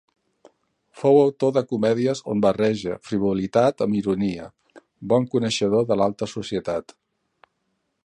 Fou autor de comèdies on barreja frivolitat amb ironia, bon coneixedor de l'alta societat.